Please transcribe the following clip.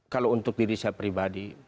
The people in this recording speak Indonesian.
kalau untuk diri saya pribadi